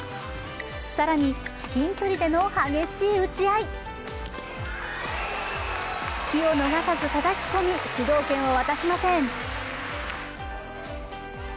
更に、至近距離での激しい打ち合い隙を逃さずたたき込み、主導権を渡しません。